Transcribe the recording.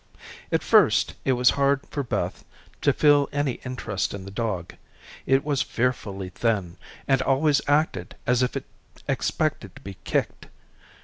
At first, it was hard for Beth to feel any interest in the dog. It was fearfully thin, and always acted as if it expected to be kicked.